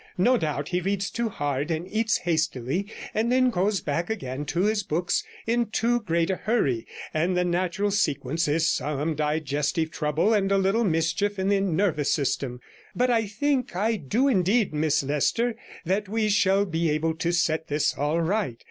'No doubt he reads too hard and eats hastily, and then goes back again to his books in too great a hurry, and the natural sequence is some digestive trouble and a little mischief in the nervous system. But I think — I do indeed, Miss Leicester that we shall be able to set this all right.